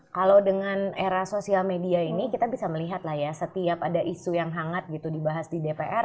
kalau dengan era sosial media ini kita bisa melihat lah ya setiap ada isu yang hangat gitu dibahas di dpr